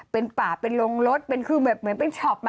เป็นป่าเป็นโรงรถเป็นคือแบบเหมือนเป็นช็อป